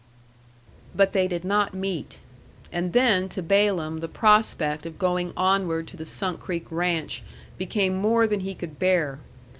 But they did not meet. And then to Balaam the prospect of going onward to the Sunk Creek Ranch became more than he could bear.